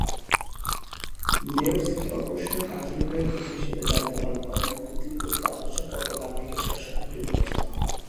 Mayor, city কর্পোরেশনের কার্যনির্বাহী প্রধান হিসাবে দায়িত্ব পালন করেন এবং তিনি প্রতি পাঁচ বছর পরপর নাগরিকের সরাসরি ভোটে নির্বাচিত হন।